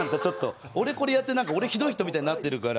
俺これやって、俺ひどい人みたいになってるから。